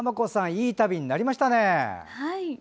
いい旅になりましたね。